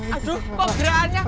aduh kok gerahannya